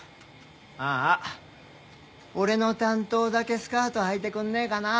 あーあ俺の担当だけスカートはいてくんねえかな。